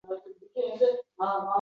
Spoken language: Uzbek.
O’zini sarsonu sargardon izlayotgandi.